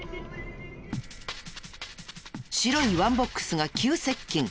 白いワンボックスが急接近。